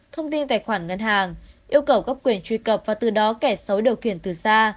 thông tin tài khoản ngân hàng yêu cầu góp quyền truy cập và từ đó kẻ xấu điều khiển từ xa